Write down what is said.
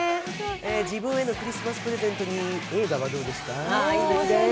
自分へのクリスマスプレゼントに映画はどうですかぁ。